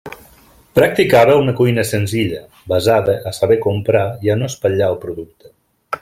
Practicava una cuina senzilla, basada a saber comprar i a no espatllar el producte.